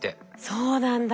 そうなんだ。